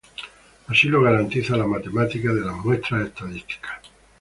Así lo garantiza la matemática de las muestras estadísticas.